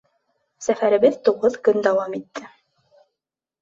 Сәфәребеҙ туғыҙ көн дауам итте.